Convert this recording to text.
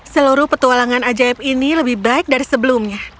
seluruh petualangan ajaib ini lebih baik dari sebelumnya